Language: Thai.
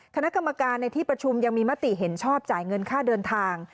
คณะกรรมการในที่ประชุมยังมีมติเห็นชอบจ่ายเงินค่าเดินทาง